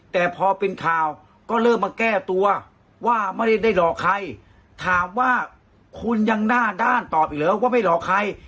แต่พอเป็นข่าวก็เริ่มมาแก้ตัวว่าไม่ได้หลอกใครถามว่าคุณยังหน้าด้านตอบอีกเหรอว่าไม่หลอกใคร